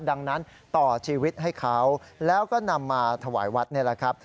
ดังนั้นต่อชีวิตให้เขาแล้วก็นำมาถวายวัดนี่แหละครับ